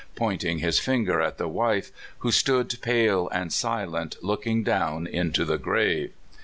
" pointing his finger at the wife, who stood pale and silent looking down into the grave.